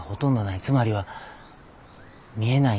つまりは見えない